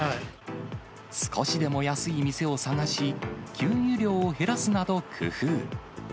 少しでも安い店を探し、給油量を減らすなど工夫。